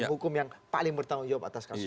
hukum yang paling bertanggung jawab atas kasus ini